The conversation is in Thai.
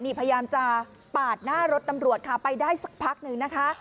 นี่พยายามจะปาดหน้ารถตำรวจค่ะไปได้สักพักหนึ่งนะคะ